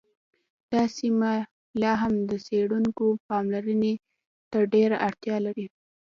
دا سیمه لا هم د څیړونکو پاملرنې ته ډېره اړتیا لري